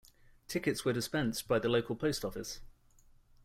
Tickets were dispensed by the local Post Office.